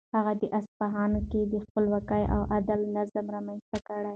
هغه په اصفهان کې د خپلواکۍ او عدل نظام رامنځته کړ.